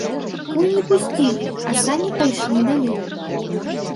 Коні пусцілі, а самі пайшлі далей.